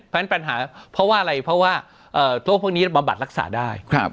เพราะว่าพวกพวกนี้มับบัตรรักษาได้